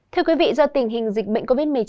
thưa quý vị do tình hình dịch bệnh covid một mươi chín